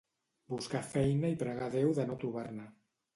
Buscar feina i pregar a Déu de no trobar-ne.